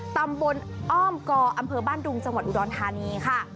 ตำบลอ้อมกออำเภอบ้านดุงจังหวัดอุดรธานีค่ะ